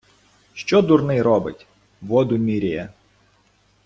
Що дурний робить? — Воду міряє.